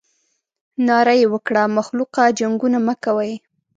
ناره یې وکړه مخلوقه جنګونه مه کوئ.